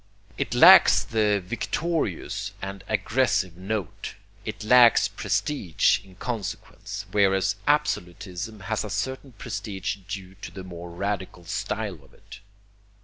It lacks the victorious and aggressive note. It lacks prestige in consequence; whereas absolutism has a certain prestige due to the more radical style of it.